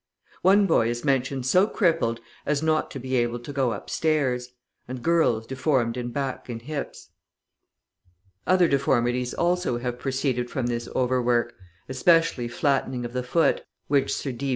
One boy is mentioned so crippled as not to be able to go upstairs, and girls deformed in back and hips. Other deformities also have proceeded from this overwork, especially flattening of the foot, which Sir D.